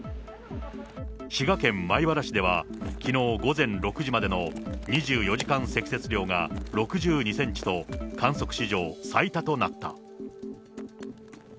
滋賀県米原市では、きのう午前６時までの２４時間積雪量が６２センチと、観測史上最多となった。